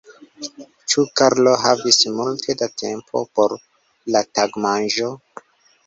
Ĉu Karlo havis multe da tempo por la tagmanĝo?